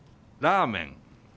「ラーメン」。